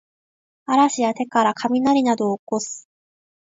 嵐や手からかみなりなどをおこす